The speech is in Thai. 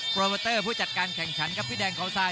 โปรเวอร์เตอร์ผู้จัดการแข่งฉันกับพี่แดงเขาสาย